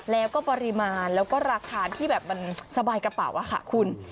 แล้วก็ปริมาณแล้วก็ราคาที่แบบมันสบายกระเป๋าค่ะคุณ